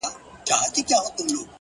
سپوږمۍ خو مياشت كي څو ورځي وي”